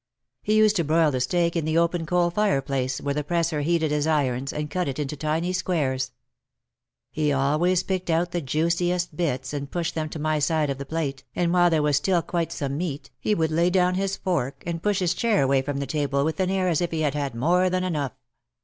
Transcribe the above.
He used to broil the steak in the open coal fireplace where the presser heated his irons, and cut it into tiny squares. He always picked out the juiciest bits and pushed them to my side of the plate, and while there was still quite some meat he would lay 84 OUT OF THE SHADOW down his fork and push his chair away from the table with an air as if he had had more than enough.